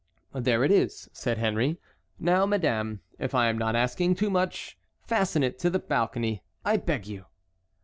"There it is," said Henry; "now, madame, if I am not asking too much, fasten it to the balcony, I beg you."